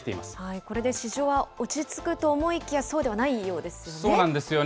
これで市場は落ち着くと思いきや、そうではないようですよね。